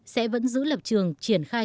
sẽ vẫn giữ lập trường triển khai